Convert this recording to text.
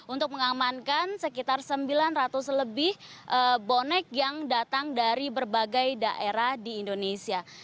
untuk mengamankan sekitar sembilan ratus lebih bonek yang datang dari berbagai daerah di indonesia